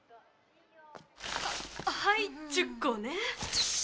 はい１０個ね。